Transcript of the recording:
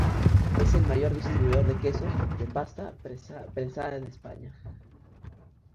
Es el mayor distribuidor de quesos de pasta prensada de España.